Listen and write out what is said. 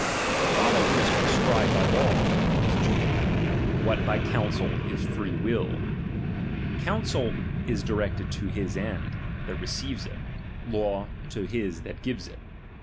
To follow what is prescribed by law, is duty ; what by counsel, is free will. Counsel is directed to his end, that re ceives it ; law, to his that gives it.